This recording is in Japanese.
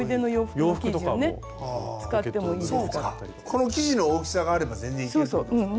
この生地の大きさがあれば全然いけるってことですか。